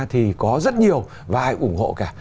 thì có rất nhiều và ai ủng hộ cả